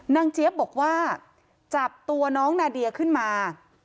เจี๊ยบบอกว่าจับตัวน้องนาเดียขึ้นมา